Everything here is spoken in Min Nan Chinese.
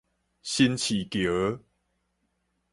新市橋